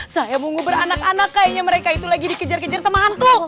saya mau ngubur anak anak kayaknya mereka itu lagi dikejar kejar sama hantu